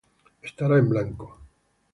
estará en blanco